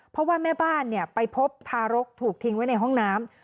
เพราะว่าแม่บ้านไปพบทารกถูกทิ้งไว้ในห้องน้ำ